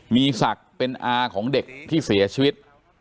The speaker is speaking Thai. มีศักดิ์เป็นอาของเด็กที่เสียชีวิต